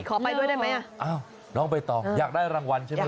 ขอไปด้วยได้ไหมน้องไปต่ออยากได้รางวัลใช่ไหม